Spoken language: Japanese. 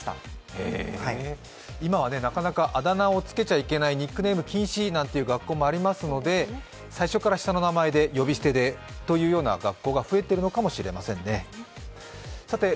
へえ、今はなかなかあだ名をつけちゃいけない、ニックネーム禁止みたいな学校もありますので最初から下の名前で呼び捨てでというような学校が増えているのかもしれませんね。